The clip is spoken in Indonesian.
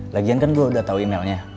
lagian kan gue udah tau emailnya